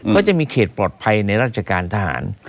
ก็จะมีเขตปลอดภัยในราชการทหาร